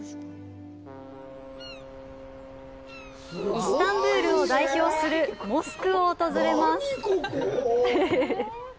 イスタンブルを代表するモスクを訪れます。